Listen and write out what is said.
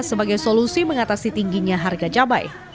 sebagai solusi mengatasi tingginya harga cabai